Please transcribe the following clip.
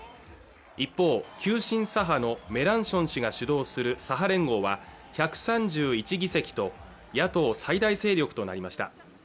一方急進左派のメランション氏が主導する左派連合は１３１議席と野党最大勢力となりました